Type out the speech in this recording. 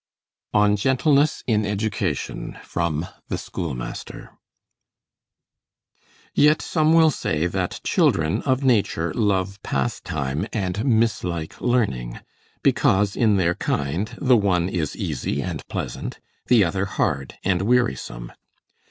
ON GENTLENESS IN EDUCATION From 'The Schoolmaster' Yet some will say that children, of nature, love pastime, and mislike learning; because, in their kind, the one is easy and pleasant, the other hard and wearisome.